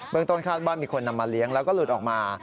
เบื้องตนขาดบ้านมีคนนำมาเลี้ยงแล้วก็หลุดออกมา